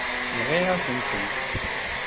Nɣiɣ-akent-tent.